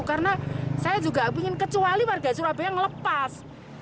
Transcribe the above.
karena saya juga ingin kecuali warga surabaya yang lepas